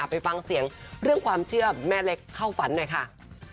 ไปฟังเสียงเรื่องความเชื่อแม่เล็กเข้าฝันหน่อยค่ะ